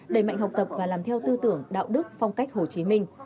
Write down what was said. đẩy mạnh học tập và làm theo tư tưởng đạo đức phong cách hồ chí minh